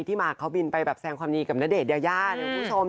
ที่มาเข้าบินไปแบบแสงความดีกับณเดชน์ยานะครับคุณผู้ชม